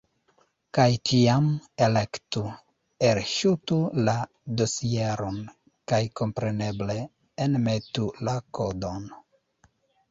Kaj tiam, elektu "Elŝutu la dosieron", kaj kompreneble, enmetu la kodon.